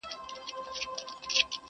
سبا به نه وي لکه نه وو زېږېدلی چنار؛